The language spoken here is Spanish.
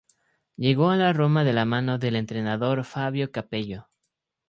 Llegó a la Roma de la mano del entrenador Fabio Capello.